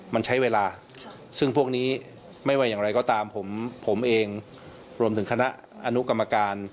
มันใช้เวลาซึ่งพวกนี้ไม่ว่าอย่างไรก็ตามผมผมเองรวมถึงคณะอนุกรรมการ